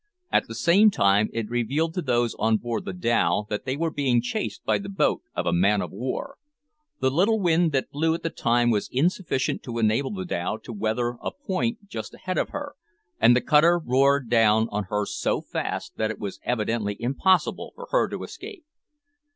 At the same time it revealed to those on board the dhow that they were being chased by the boat of a man of war. The little wind that blew at the time was insufficient to enable the dhow to weather a point just ahead of her, and the cutter rowed down on her so fast that it was evidently impossible for her to escape.